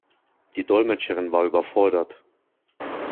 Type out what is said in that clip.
Die Dolmetscherin war überfordert.